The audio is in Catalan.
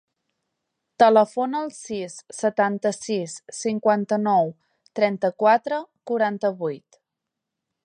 Telefona al sis, setanta-sis, cinquanta-nou, trenta-quatre, quaranta-vuit.